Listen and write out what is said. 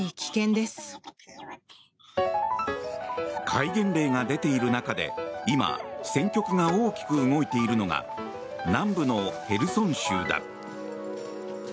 戒厳令が出ている中で今、戦局が大きく動いているのが南部のヘルソン州だ。